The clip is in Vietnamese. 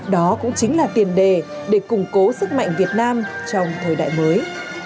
đó cũng chính là tiền đề để củng cố sức mạnh việt nam trong thời đại mới